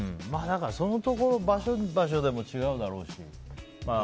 その場所場所でも違うだろうし。